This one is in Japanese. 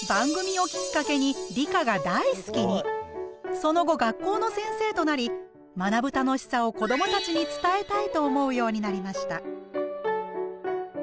その後学校の先生となり学ぶ楽しさを子どもたちに伝えたいと思うようになりました。